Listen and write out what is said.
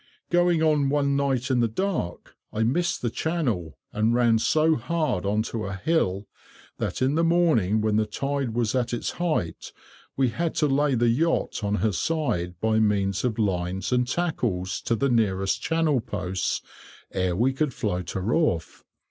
Going on one night in the dark, I missed the channel, and ran so hard on to a "hill," that in the morning when the tide was at its height, we had to lay the yacht on her side by means of lines and tackles to the nearest channel posts ere we could float her off.